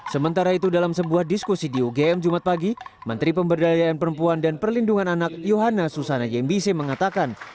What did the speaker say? sementara itu dalam sebuah diskusi di ugm jumat pagi menteri pemberdayaan perempuan dan perlindungan anak yohana susana yembise mengatakan